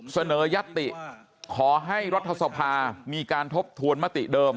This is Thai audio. เสนอยัตติขอให้รัฐสภามีการทบทวนมติเดิม